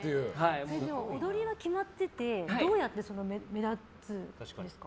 踊りは決まっててどうやって目立つんですか？